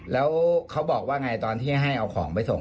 แล้วเขาบอกว่าไงตอนที่ให้เอาของไปส่ง